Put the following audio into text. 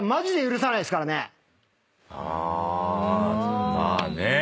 あまあね。